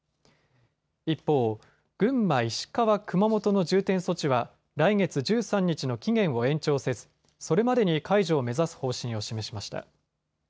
一方、群馬、石川、熊本の重点措置は来月１３日の期限を延長せずそれまでに解除を目指す方針を示しました。